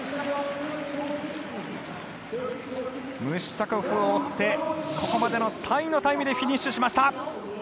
ムシュタコフを追ってここまでの３位のタイムでフィニッシュしました。